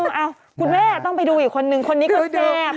เอาคุณแม่ต้องไปดูอีกคนนึงคนนี้ก็แซ่บ